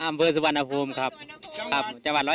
ไม่ใช่สวัสดิ์ภูรีบ้านจานไม่ใช่